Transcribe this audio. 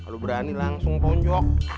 lu berani langsung ponjok